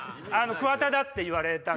「桑田だ」って言われたって。